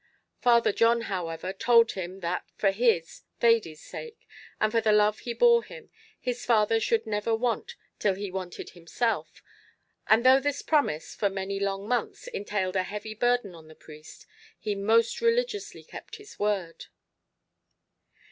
Father John, however, told him that for his, Thady's sake, and for the love he bore him, his father should never want till he wanted himself; and though this promise, for many long months, entailed a heavy burden on the priest, he most religiously kept his word.